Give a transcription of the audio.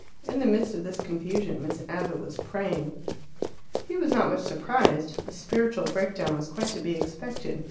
In the midst of this confusion Miss Abbott was praying. He was not much surprised: a spiritual breakdown was quite to be expected.